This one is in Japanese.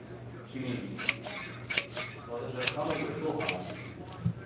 君私は彼女と話してるんだ。